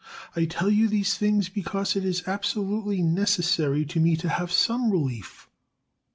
I tell you these things because it is absolutely necessary to me to have SOME relief.